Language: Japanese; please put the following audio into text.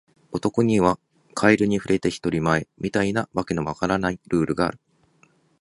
男にはカエルに触れて一人前、みたいな訳の分からないルールがある